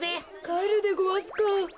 かえるでごわすか。